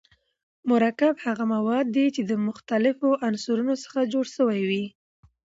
مرکب هغه مواد دي چي د مختليفو عنصرونو څخه جوړ سوی وي.